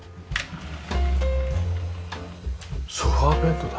ソファベッドだ。